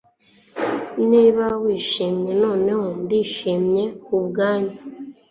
Niba wishimye noneho ndishimye kubwanyu